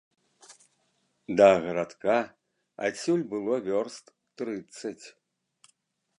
Да гарадка адсюль было вёрст трыццаць.